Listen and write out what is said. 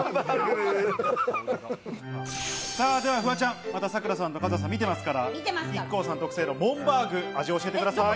さぁ、ではフワちゃん、ＳＡＫＵＲＡさんとＫＡＺＵＨＡさん見てますから、ＩＫＫＯさん特製のモンバーグ、味を教えてください。